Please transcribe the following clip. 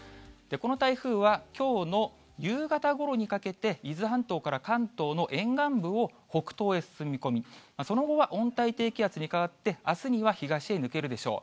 この台風はきょうの夕方ごろにかけて、伊豆半島から関東の沿岸部を北東へ進む見込み、その後は温帯低気圧に変わって、あすには東へ抜けるでしょう。